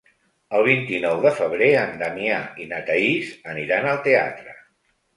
El vint-i-nou de febrer en Damià i na Thaís aniran al teatre.